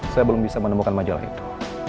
saya belum bisa menemukan majalah itu